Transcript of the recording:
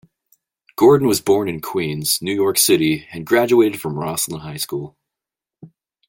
Gordon was born in Queens, New York City and graduated from Roslyn High School.